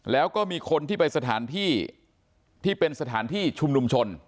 แล้วก็มีคนที่ไปสถานที่ที่เป็นสถานที่ชุมนุมชน